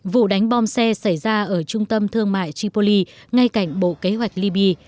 vụ đánh bom xe xảy ra ở trung tâm thương mại tripoli ngay cạnh bộ kế hoạch libya